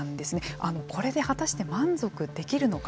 あのこれで果たして満足できるのか。